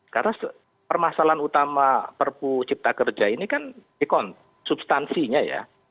karena permasalahan utama perpu cipta kerja ini kan ekon substansinya ya